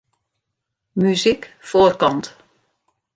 Muzyk foarkant.